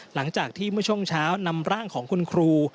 หลังจากที่เมื่อช่วงเช้านำร่างของคุณครู